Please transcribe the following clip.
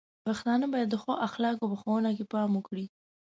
پښتانه بايد د ښو اخلاقو په ښوونه کې پام وکړي.